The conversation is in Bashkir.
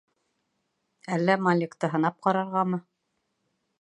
Әллә Маликты һынап ҡарарғамы?